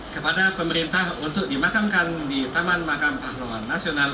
kepada pemerintah untuk dimakamkan di taman makam pahlawan nasional